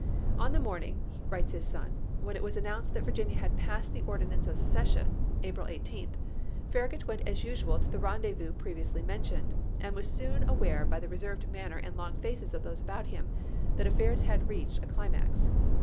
" On the morning," writes his son, " when it was announced that Virginia had passed the ordinance 1861. of secession (April 18th), Farragut went as usual to the rendezvous previously mentioned, and was soon aware by the reserved manner and long faces of those about him that affairs had reached a climax.